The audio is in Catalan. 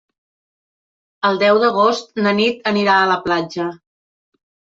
El deu d'agost na Nit anirà a la platja.